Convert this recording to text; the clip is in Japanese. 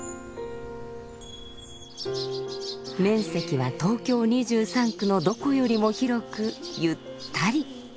面積は東京２３区のどこよりも広くゆったり。